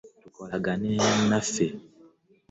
Tukolaganye bulungi ne bannaffe.